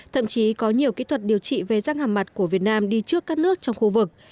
thậm chí có nhiều kỹ thuật điều trị về răng hàm mặt của việt nam đi trước các nước trong khu vực